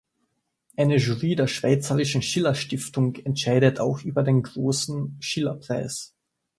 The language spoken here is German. Eine Jury der "Schweizerischen Schillerstiftung" entscheidet auch über den Grossen Schillerpreis.